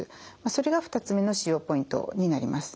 それが２つ目の使用ポイントになります。